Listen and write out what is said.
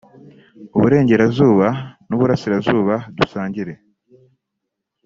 uburengerazuba n’uburasirazuba dusangire